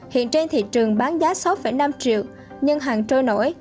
hiện trên thị trường bán giá sáu năm triệu nhưng hàng trôi nổi